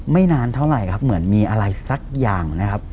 นานเท่าไหร่ครับเหมือนมีอะไรสักอย่างนะครับ